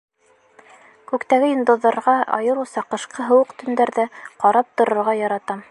Күктәге йондоҙҙарға, айырыуса ҡышҡы һыуыҡ төндәрҙә, ҡарап торорға яратам.